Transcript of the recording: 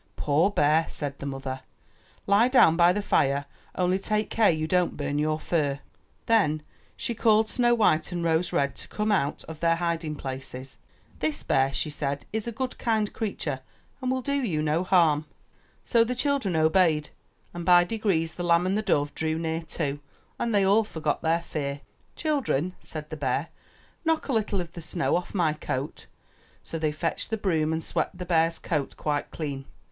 "Poor bear," said the mother, "lie down by the fire; only take care you don't burn your fur." Then she called Snow white and Rose red to come out 37 MY BOOK HOUSE of their hiding places. 'This bear/' she said, '*is a good kind creature and will do you no harm.'' So the chil dren obeyed and by degrees the lamb and the dove drew near too, and they all forgot their fear. * 'Children," said the bear, ''knock a little of the snow off my coat." So they fetched the broom and swept the bear's coat quite clean.